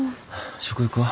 食欲は？